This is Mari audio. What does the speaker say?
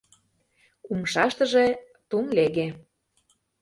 Умшаштыже — тумлеге.